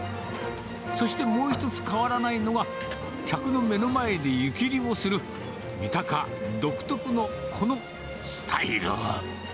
そしてもう一つ、変わらないのが、客の目の前で湯切りをする、みたか独特のこのスタイル。